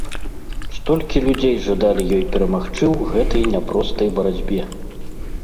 Столькі людзей жадалі ёй перамагчы ў гэтай няпростай барацьбе.